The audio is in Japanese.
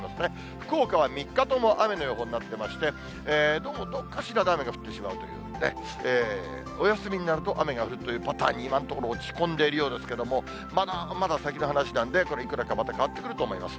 福岡は３日とも雨の予報になってまして、どうもどっかしらで雨が降ってしまうというんでね、お休みになると雨が降るというパターンに、今のところ落ち込んでいるようですけれども、まだ先の話なんで、これ、いくらか変わってくると思います。